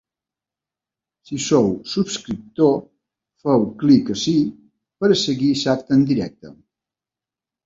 Si sou subscriptor, feu clic ací per a seguir l’acte en directe.